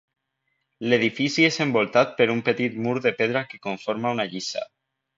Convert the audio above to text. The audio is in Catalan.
L'edifici és envoltat per un petit mur de pedra que conforma una lliça.